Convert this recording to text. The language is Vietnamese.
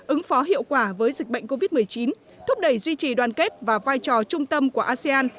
ứng phó hiệu quả với dịch bệnh covid một mươi chín thúc đẩy duy trì đoàn kết và vai trò trung tâm của asean